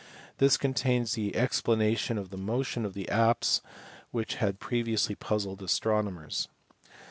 This contains the expla nation of the motion of the apse which had previously puzzled astronomers (see above, p.